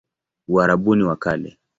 Uarabuni wa Kale